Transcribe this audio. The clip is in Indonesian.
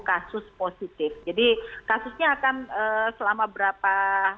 kasus positif jadi kasusnya akan selama berapa